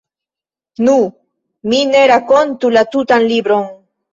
Nu, mi ne rakontu la tutan libron.